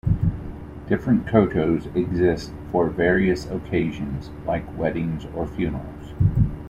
Different kotos exist for various occasions like weddings or funerals.